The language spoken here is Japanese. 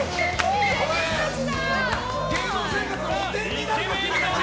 イケメンたちだ！